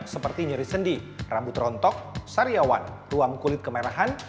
seperti nyari sendi rambut rontok sariawan ruang kulit kemerahan